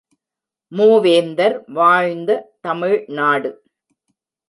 மூவேந்தர் வாழ்ந்த தமிழ்நாடு!